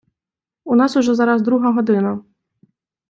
У нас уже зараз друга година.